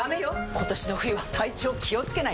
今年の冬は体調気をつけないと！